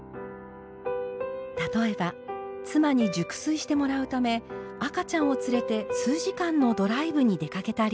例えば妻に熟睡してもらうため赤ちゃんを連れて数時間のドライブに出かけたり。